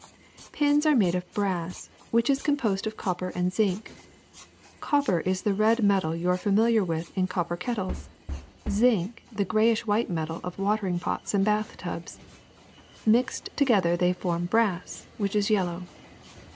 '^Pins are made of brass, which is composed of copper and zinc. Copper is the red metal you are familiar with in copper kettles, zinc the grayish white metal of watering pots and bath tubs. Mixed together they form brass, which is yellow.